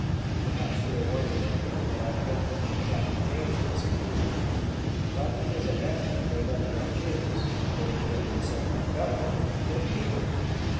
"Perhaps you may wonder, madam, that I have not mentioned Captain James on this occasion; but he was at that time laid up at Algiers (whither he had been sent by the governor) in a fever.